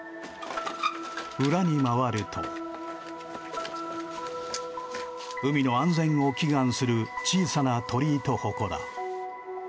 裏に回ると、海の安全を祈願する小さな鳥居とほこら。